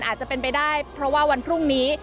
อาจจะเป็นไปได้เพราะว่าวันพรุ่งนี้